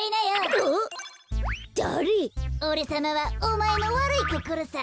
おれさまはおまえのわるいこころさ。